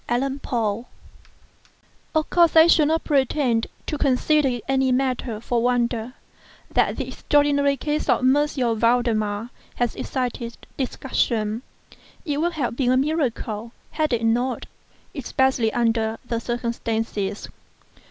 VALDEMAR Of course I shall not pretend to consider it any matter for wonder, that the extraordinary case of M. Valdemar has excited discussion. It would have been a miracle had it not—especially under the circumstances.